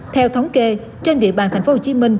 theo thống kê trên địa bàn tp hcm